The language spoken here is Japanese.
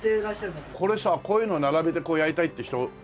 これさこういうの並べてやりたいって人多いからな。